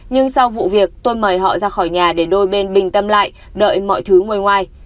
nhưng sau vụ việc tôi mời họ ra khỏi nhà để đôi bên bình tâm lại đợi mọi thứ ngoài